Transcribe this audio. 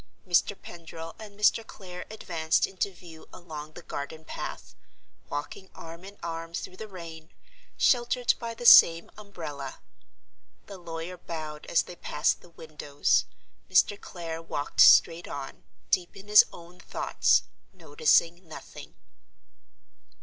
Mr. Pendril and Mr. Clare advanced into view along the garden path, walking arm in arm through the rain, sheltered by the same umbrella. The lawyer bowed as they passed the windows; Mr. Clare walked straight on, deep in his own thoughts—noticing nothing.